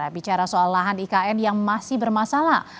bicara soal lahan ikn yang masih bermasalah